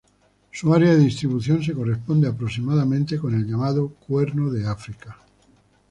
Su área de distribución se corresponde aproximadamente con el llamado Cuerno de África.